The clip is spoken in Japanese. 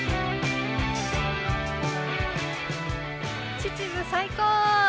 秩父最高。